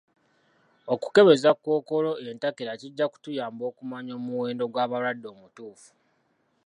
Okukebeza kkookolo entakera kija kutuyamba okumanya omuwendo g'wabalwadde omutuufu